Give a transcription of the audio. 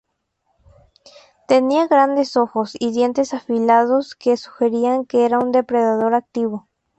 Tenía grandes ojos y dientes afilados que sugerían que era un depredador activo.